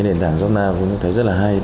nền tảng jobnow tôi thấy rất là hay